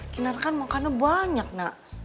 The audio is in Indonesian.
kinar kan makannya banyak nak